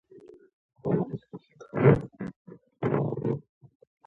د روشنفکره انسانانو سره ګرځه .